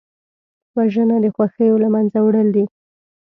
وژنه د خوښیو له منځه وړل دي